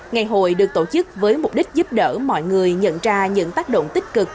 ngày hội được tổ chức với mục đích giúp đỡ mọi người nhận ra những tác động tích cực